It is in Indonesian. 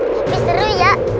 tapi seru ya